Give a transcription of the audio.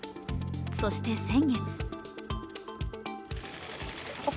そして先月。